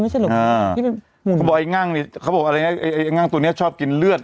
ไม่ใช่หรอกเขาบอกไอ้งั่งเนี่ยเขาบอกไอ้งั่งตัวเนี่ยชอบกินเลือด